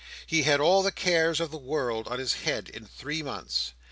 He had all the cares of the world on his head in three months.